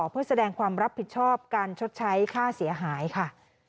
เพื่อแสดงความรับผิดชอบการชดใช้ค่าเสียหายค่ะ